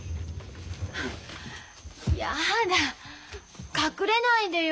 やだ隠れないでよ。